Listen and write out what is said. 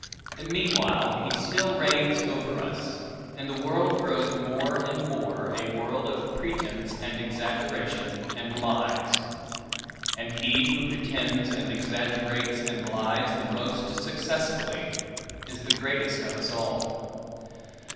Meanwhile, he still reigns over us, and the world grows more and more a world of pretense and exaggeration and lies; and he who pretends and exaggerates and lies the most successfully, is the greatest of us all.